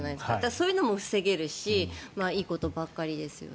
そういうのも防げるしいいことばかりですよね。